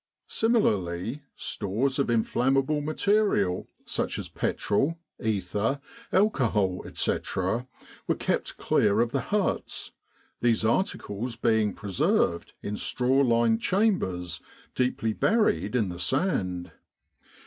Similarly, stores of inflammable material, such as petrol, ether, alcohol, etc., were kept clear of the huts, these articles being preserved in straw lined chambers deeply buried in the sand.